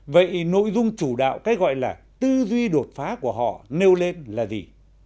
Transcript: vậy nội dung chủ đạo cái gọi là tư duy đột phá của họ nêu lên là gì